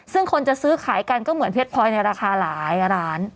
ซึ่งคนจะซื้อขายกันก็เหมือนเพชรพลอยในราคาหลายร้าน